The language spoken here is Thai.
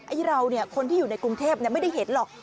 ไอ้เราเนี่ยคนที่อยู่ในกรุงเทพไม่ได้เห็นหรอก